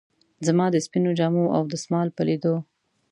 زما د سپینو جامو او دستمال په لیدو.